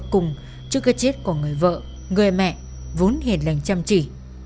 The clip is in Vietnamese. cùng trước cái chết của người vợ người mẹ vốn hiền lành chăm chỉ